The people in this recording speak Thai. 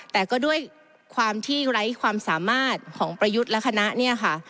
แต่ก็ด้วยความที่ไร้ความสามารถของประยุทธ์และคณะเนี่ยค่ะ